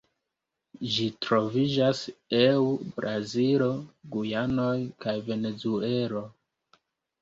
Ĝi troviĝas eu Brazilo, Gujanoj, kaj Venezuelo.